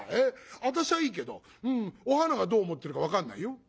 私はいいけどお花がどう思ってるか分かんないよ」。